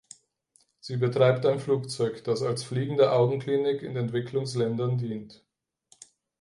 Sie betreibt ein Flugzeug, das als fliegende Augenklinik in Entwicklungsländern dient.